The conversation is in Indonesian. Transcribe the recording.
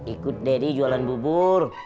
ikut deddy jualan bubur